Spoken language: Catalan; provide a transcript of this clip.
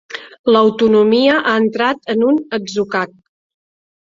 L'autonomia ha entrat en un atzucac.